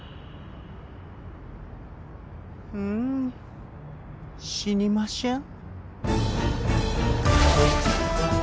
うん死にましぇん。